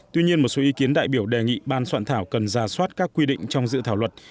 tuy nhiên một số ý kiến đại biểu đề nghị ban soạn thảo cần ra soát các quy định trong dự thảo luật